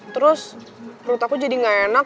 terus menurut aku jadi gak enak